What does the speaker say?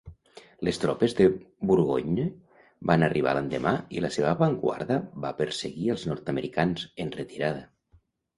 Les tropes de Burgoyne van arribar l'endemà i la seva avantguarda va perseguir els nord-americans, en retirada.